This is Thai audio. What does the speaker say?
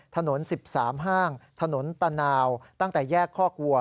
ถนน๑๓ห้างถนนตะนาวตั้งแต่แยกคอกวัว